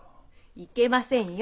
いけませんよ